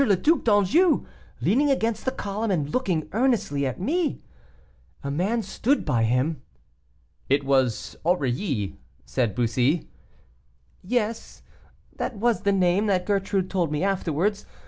le Duc d'Anjou leaning against the column, and looking earnestly at me. A man stood by him." "It was Aurilly," said Bussy. "Yes, that was the name that Gertrude told me afterwards.